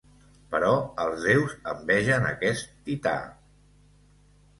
Però els déus envegen aquest tità.